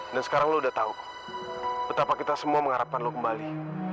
dan sekarang lu udah tau betapa kita semua mengharapkan lu kembali